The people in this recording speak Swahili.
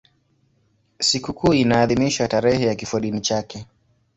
Sikukuu inaadhimishwa tarehe ya kifodini chake.